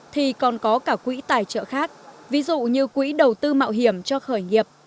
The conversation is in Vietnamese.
thì còn có cả quỹ tài trợ khác ví dụ như quỹ đầu tư mạo hiểm cho khởi nghiệp